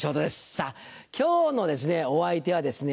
さぁ今日のお相手はですね